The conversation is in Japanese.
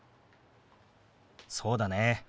そうだね。